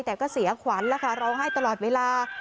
แต่ก็เสียขวัญแล้วค่ะร้องไห้ตลอดเวลา